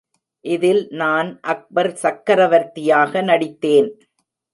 இதில் நான் அக்பர் சக்ரவர்த்தியாக நடித்தேன்.